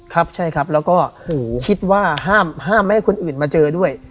ครับใช่ครับแล้วก็คิดว่าห้ามไม่ให้คนอื่นมาเจอด้วย